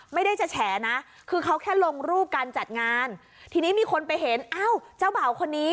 ไม่ได้จะแฉนะคือเขาแค่ลงรูปการจัดงานทีนี้มีคนไปเห็นอ้าวเจ้าบ่าวคนนี้